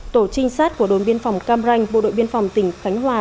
tổ trinh sát của đồn biên phòng cam ranh bộ đội biên phòng tỉnh khánh hòa